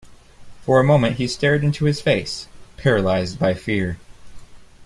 For a moment he stared into his face — paralysed by fear.